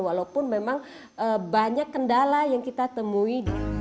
walaupun memang banyak kendala yang kita temui